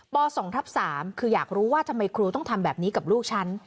๒ทับ๓คืออยากรู้ว่าทำไมครูต้องทำแบบนี้กับลูกฉัน